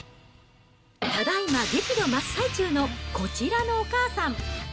ただいま、激怒真っ最中のこちらのお母さん。